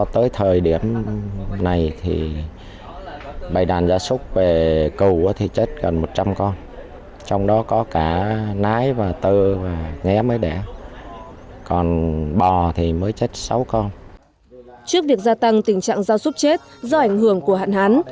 trước việc gia tăng tình trạng gia súc chết do ảnh hưởng của hạn hán